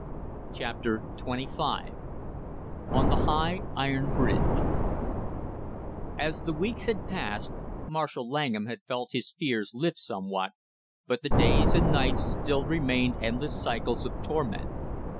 CHAPTER TWENTY FIVE ON THE HIGH IRON BRIDGE As the weeks had passed Marshall Langham had felt his fears lift somewhat, but the days and nights still remained endless cycles of torment.